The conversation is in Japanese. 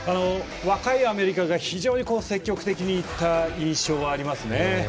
若いアメリカが積極的にいった印象がありますね。